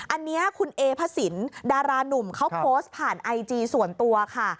อันนี้คุณเอพระสินดารานุ่มเขาโพสต์ผ่านไอจีส่วนตัวค่ะ